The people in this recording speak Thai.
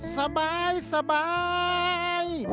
สบาย